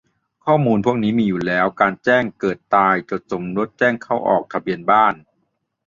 ข้อมูลพวกนี้มีอยู่แล้วจากการแจ้งเกิด-ตาย จดสมรส แจ้งเข้าออกทะเบียนบ้าน